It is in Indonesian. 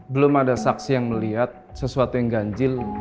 belum ada saksi yang melihat sesuatu yang ganjil